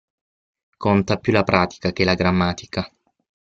Conta più la pratica che la grammatica.